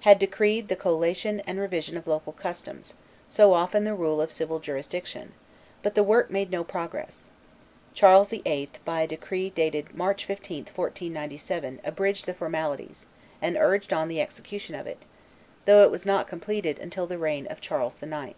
had decreed the collation and revision of local customs, so often the rule of civil jurisdiction; but the work made no progress: Charles VIII., by a decree dated March 15, 1497, abridged the formalities, and urged on the execution of it, though it was not completed until the reign of Charles IX.